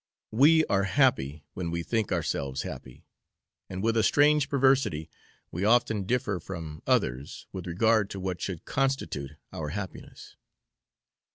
We are happy when we think ourselves happy, and with a strange perversity we often differ from others with regard to what should constitute our happiness.